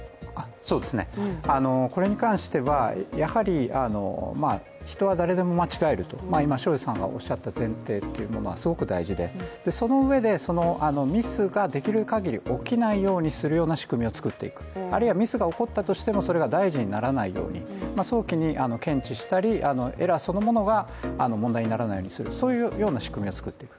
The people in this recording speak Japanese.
これに関しては、やはり人は誰でも間違えると、庄司さんのおっしゃった前提はすごく大事で、そのうえでミスができるかぎり起きないような仕組みを作っていく、あるいはミスが起こったとしてもそれが大事にならないように、早期に検知したり、エラーそのものが問題にならないようにするような仕組みを作っていく。